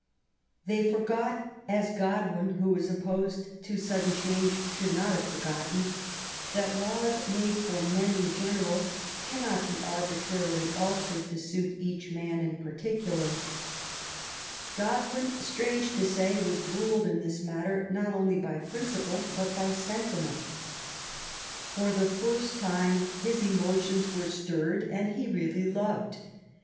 They for got — as Godwin, who was opposed to sudden change, should not have forgotten — that laws made for men in general cannot be arbitrarily altered to suit each man in particular. Godwin, strange to say, was ruled in this matter not only by principle, but by sentiment. For the first time 186 MARY WoLLSTOXECEAFT GODWIN. his emotions were stirred, and he really loved.